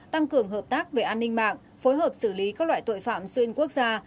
tăng cường hợp tác về an ninh mạng phối hợp xử lý các loại tội phạm xuyên quốc gia